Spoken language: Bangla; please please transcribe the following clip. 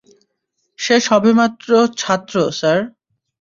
সে সবেমাত্র ছাত্র, স্যার।